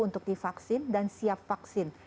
untuk divaksin dan siap vaksin